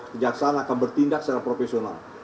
kejaksaan akan bertindak secara profesional